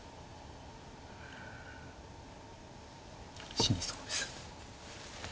死にそうですよね。